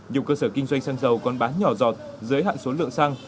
nhiều cơ sở kinh doanh xăng dầu còn bán nhỏ dọt dưới hạn số lượng xăng